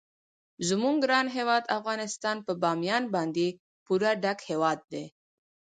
زموږ ګران هیواد افغانستان په بامیان باندې پوره ډک هیواد دی.